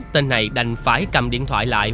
tên này đành phải cầm điện thoại lại